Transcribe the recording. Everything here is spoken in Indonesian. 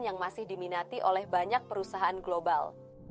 yang masih diminati oleh banyak perusahaan global